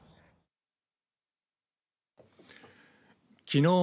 きのう